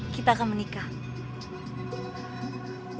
kita akan menikah